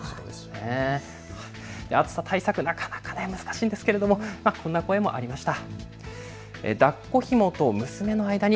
暑さ対策、なかなか難しいんですけれどこんな声もありました。